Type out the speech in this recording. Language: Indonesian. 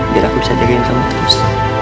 biar aku bisa dengerin kamu terus